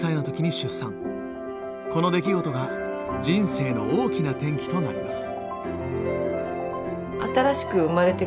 この出来事が人生の大きな転機となります。